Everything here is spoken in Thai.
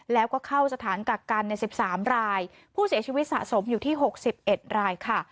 แล้วก็เข้าสถานกักกันในสิบสามรายผู้เสียชีวิตสะสมอยู่ที่หกสิบเอ็ดรายค่ะ